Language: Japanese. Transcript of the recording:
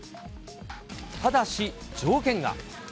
ただし、条件が。